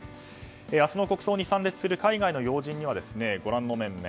明日の国葬に参列する海外の要人にはご覧の面々